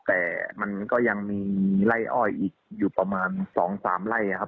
แต่มันก็ยังมีไล่อ้อยอีกอยู่ประมาณ๒๓ไร่ครับ